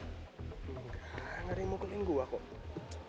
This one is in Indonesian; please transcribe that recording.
engga ga ada yang mau kelihin gue kok